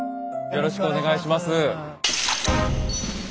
よろしくお願いします。